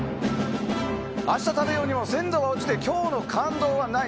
明日食べようにも鮮度が落ちて今日の感動はない。